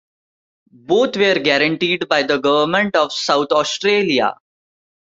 Both were guaranteed by the Government of South Australia.